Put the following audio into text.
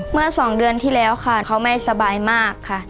เมื่อ๒เดือนที่แล้วค่ะเขาไม่สบายมากค่ะ